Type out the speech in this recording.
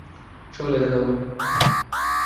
সকালে দেখা হবে।